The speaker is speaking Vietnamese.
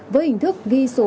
với hình thức ghi số lô đề